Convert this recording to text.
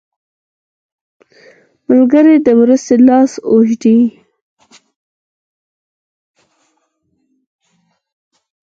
ملګری د مرستې لاس اوږدوي